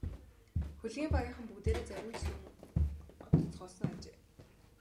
Хөлгийн багийнхан бүгдээрээ завинд суун одоцгоосон ажээ.